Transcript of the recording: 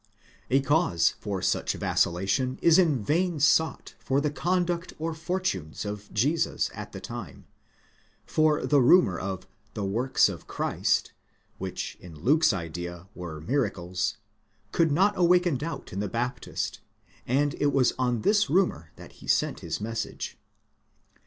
A cause for such vacil lation is in vain sought in the conduct or fortunes of Jesus at the time ; for the rumcur of ¢he works of Christ, ἔργα τοῦ Χριστοῦ, which in Luke's idea were miracles, could not awaken doubt in the Baptist, and it was on this rumour that he sent his message.